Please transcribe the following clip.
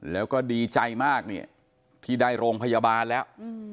แล้วก็ดีใจมากเนี่ยที่ได้โรงพยาบาลแล้ว